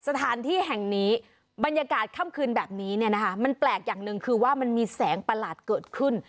สถานที่แห่งนี้บรรยากาศค่ำคืนแบบนี้เนี่ยนะคะมันแปลกอย่างหนึ่งคือว่ามันมีแสงประหลาดเกิดขึ้น